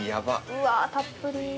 うわぁたっぷり。